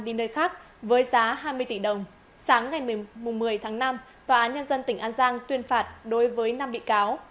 đi nơi khác với giá hai mươi tỷ đồng sáng ngày một mươi tháng năm tòa án nhân dân tỉnh an giang tuyên phạt đối với năm bị cáo